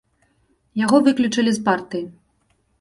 Яго выключылі з партыі.